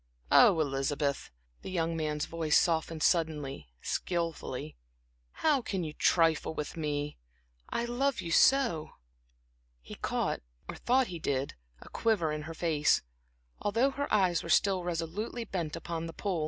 Oh, Elizabeth," the young man's voice softened suddenly, skillfully "how can you trifle with me so, when I love you?" He caught, or thought he did, a quiver in her face, although her eyes were still resolutely bent upon the pool.